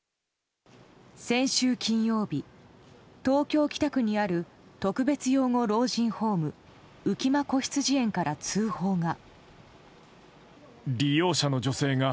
先週金曜日、東京・北区にある特別養護老人ホーム浮間こひつじ園から通報が。